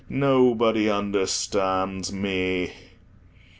Nobody understands me."